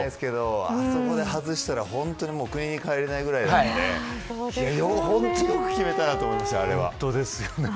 あそこで外したら本当に国に帰れないぐらいなんで本当によく決めたなと思いました、あれは。